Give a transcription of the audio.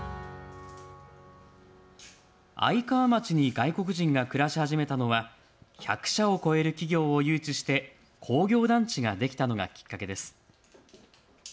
愛川町に外国人が暮らし始めたのは１００社を超える企業を誘致して工業団地ができたのがきっかけです。